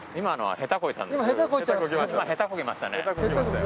下手こきましたね。